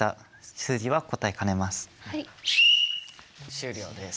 終了です。